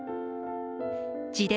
自伝